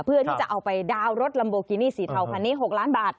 เพื่อที่จะเอาไปดาวน์รถลัมโบกินี่สีเทาคันนี้๖ล้านบาท